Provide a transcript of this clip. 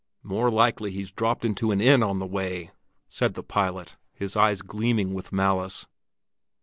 "More likely he's dropped into an inn on the way!" said the pilot, his eyes gleaming with malice.